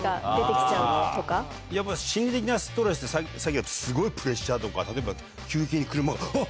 やっぱり心理的なストレスってすごいプレッシャーとか例えば急に車があっ！